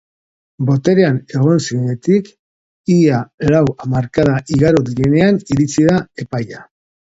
Boterean egon zirenetik ia lau hamarkada igaro direnean iritsi da epaia.